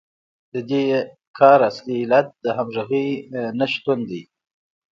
د دې کار اصلي علت د همغږۍ نشتون دی